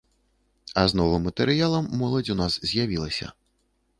А з новым матэрыялам моладзь у нас з'явілася.